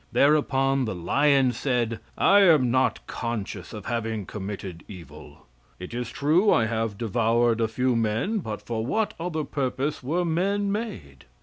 Thereupon the lion said: "I am not conscious of having committed evil. It is true I have devoured a few men, but for what other purpose were men made?"